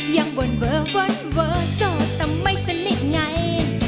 ยังเวินเวอร์เวินเวอร์เจาะแต่ไม่สนิทไง